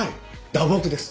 打撲です。